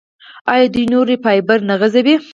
آیا دوی نوري فایبر نه غځوي؟